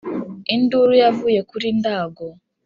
induru yavuye kuri ndago